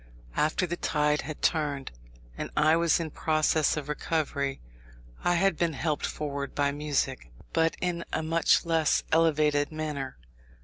After the tide had turned, and I was in process of recovery, I had been helped forward by music, but in a much less elevated manner.